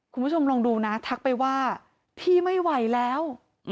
คุณผู้ชมลองดูนะทักไปว่าพี่ไม่ไหวแล้ว